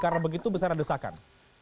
karena begitu besar adesakan